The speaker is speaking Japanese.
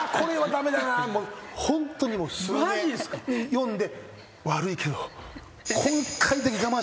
呼んで悪いけど。